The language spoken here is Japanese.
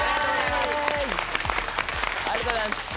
ありがとうございます。